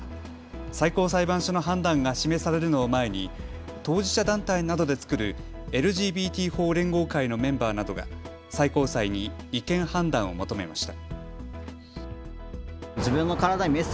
最高裁判所の判断が示されるのを前に当事者団体などで作るＬＧＢＴ法連合会のメンバーなどが最高裁に違憲判断を求めました。